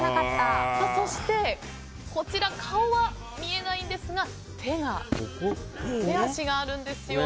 そして、こちらは顔は見えないんですが手足があるんですよ。